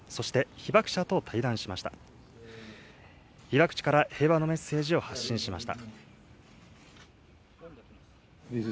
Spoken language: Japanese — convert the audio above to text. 被爆地から平和のメッセージを発信しました。